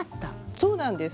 そうなんです。